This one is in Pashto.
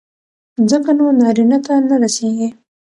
ځکه نو نارينه ته نه رسېږي.